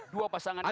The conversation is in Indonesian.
dua pasangan itu